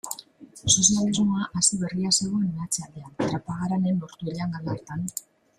Sozialismoa hasi berria zegoen meatze-aldean, Trapagaranen, Ortuellan, Gallartan.